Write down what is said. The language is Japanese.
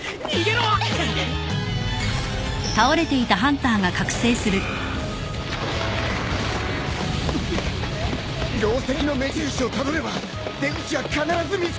ろう石の目印をたどれば出口は必ず見つかる！